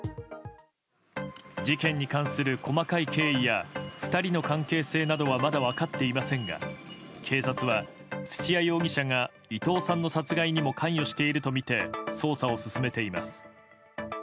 事件に関する細かい経緯や２人の関係性はまだ分かっていませんが警察は、土屋容疑者が伊藤さんの殺害にも関与しているとみて捜査を進めています。